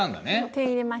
点入れました。